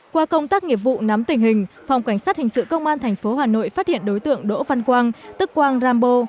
qua công tác nghiệp vụ nắm tình hình phòng cảnh sát hình sự công an tp hà nội phát hiện đối tượng đỗ văn quang tức quang rambo